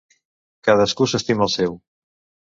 Cadascú s'estima el seu.